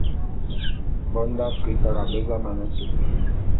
Bone be Afrikara be za mane tup.